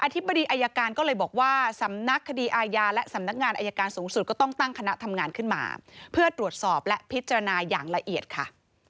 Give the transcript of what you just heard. ธิบดีอายการก็เลยบอกว่าสำนักคดีอาญาและสำนักงานอายการสูงสุดก็ต้องตั้งคณะทำงานขึ้นมาเพื่อตรวจสอบและพิจารณาอย่างละเอียดค่ะ